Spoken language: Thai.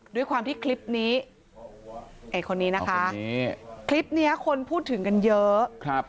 ด้วยความที่คลิปนี้ไอ้คนนี้นะคะคลิปนี้คนพูดถึงกันเยอะ